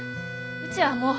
うちはもう。